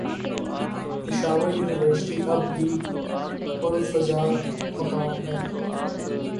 Peshawar university اب بھی پرفضامقام ہے